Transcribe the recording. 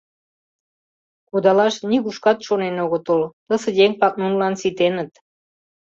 Кудалаш нигушкат шонен огытыл, тысе еҥ-влак нунылан ситеныт.